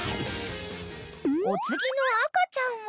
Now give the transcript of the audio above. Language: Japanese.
［お次の赤ちゃんは］